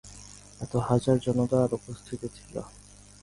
এতে হাজারো জনতা উপস্থিত ছিলেন।